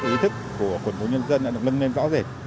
ý thức của quận phố nhân dân đã được lưng lên rõ rệt